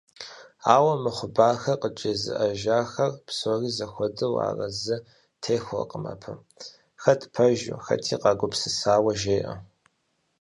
Ауэ мы хъыбархэр къыджезыӏэжахэр псори зэхуэдэу арэзы техъуэркъым абы, хэт пэжу, хэти къагупсысауэ жеӏэ.